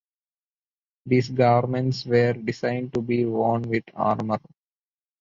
These garments were designed to be worn with armour.